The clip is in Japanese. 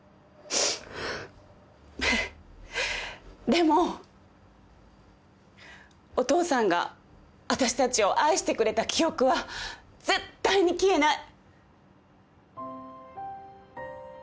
でもお父さんがあたしたちを愛してくれた記憶は絶対に消えない。